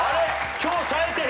今日さえてる。